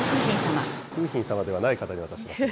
楓浜様ではない方に渡されました。